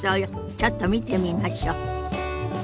ちょっと見てみましょ。